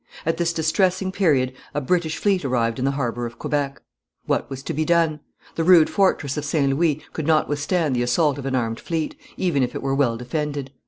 At this distressing period a British fleet arrived in the harbour of Quebec. What was to be done? The rude fortress of St. Louis could not withstand the assault of an armed fleet, even if it were well defended.